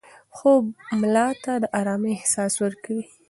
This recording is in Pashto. خوب ملا ته د ارامۍ احساس ورکوي.